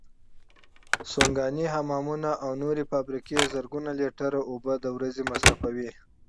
سوناګانې، حمامونه او نورې فابریکې زرګونه لیتره اوبو د ورځې مصرفوي.